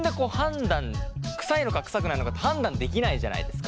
臭いのか臭くないのかって判断できないじゃないですか。